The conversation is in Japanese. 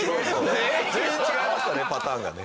全員違いましたねパターンがね。